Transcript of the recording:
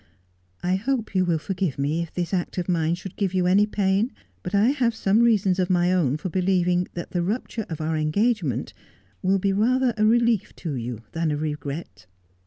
' I hope you will forgive me if this act of mine should give you any pain ; but I have some reasons of my own for believing that the rupture of our engagement will be rather a relief to you than a regret.